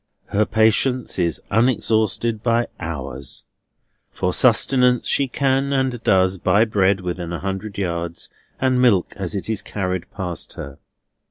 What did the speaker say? Her patience is unexhausted by hours. For sustenance she can, and does, buy bread within a hundred yards, and milk as it is carried past her.